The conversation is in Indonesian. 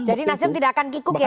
jadi nasdem tidak akan kikuk ya